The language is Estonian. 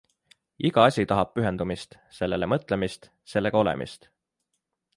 Iga asi tahab pühendumist, sellele mõtlemist, sellega olemist.